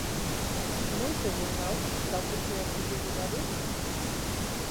Non zegoen hau, galdetzea zilegi badut?